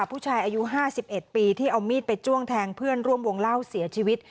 ผู้ชายอายุ๕๑ปีที่เอามีดไปจ้วงแทงเพื่อนร่วมวงเล่าเสียชีวิต